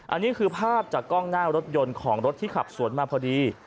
อันนี้คือภาพจากกล้องหน้ารถยนต์ของรถที่ขับสวนมาพอดี